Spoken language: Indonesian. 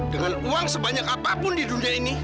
dengan uang sebanyak apapun di dunia ini